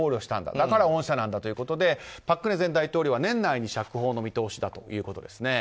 だから恩赦なんだということで朴槿惠前大統領は年内に釈放の見通しだということです。